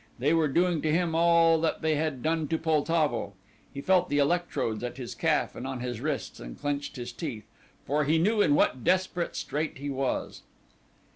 They were doing to him all that they had done to Poltavo. He felt the electrodes at his calf and on his wrists and clenched his teeth, for he knew in what desperate strait he was.